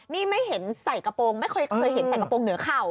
นี่ไม่เห็นใส่กระโปรงไม่เคยเห็นใส่กระโปรงเหนือเข่า